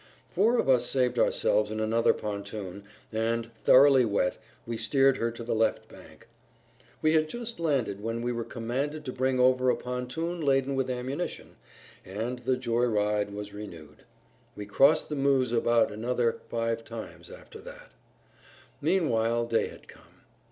Four of us saved ourselves in another pontoon and, thoroughly wet, we steered her to the left bank. We had just landed when we were commanded to bring over a pontoon laden with ammunition, and the "joy ride" was renewed. We crossed the Meuse about another five times after that. Meanwhile day had come.